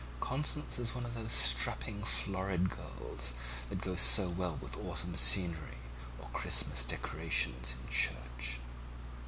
Constance is one of those strapping florid girls that go so well with autumn scenery or Christmas decorations in church.